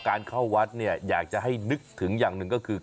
การเข้าวัดเนี่ยอยากจะให้นึกถึงอย่างหนึ่งก็คือ